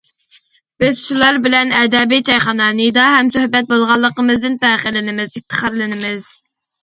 بىز شۇلار بىلەن «ئەدەبىي چايخانا» نىدا ھەمسۆھبەت بولغانلىقىمىزدىن پەخىرلىنىمىز، ئىپتىخارلىنىمىز.